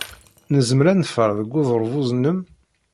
Nezmer ad neffer deg uderbuz-nnem?